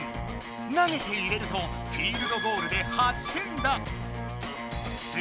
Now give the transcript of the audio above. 投げて入れると「フィールドゴール」で８点だ。